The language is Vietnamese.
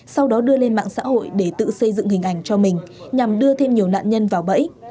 sau đó đưa lên mạng xã hội để tự xây dựng hình ảnh cho mình nhằm đưa thêm nhiều nạn nhân vào bẫy